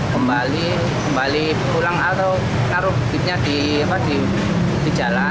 kembali kembali pulang atau taruh bidnya di jalan